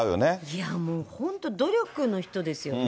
いや、もう、本当努力の人ですよね。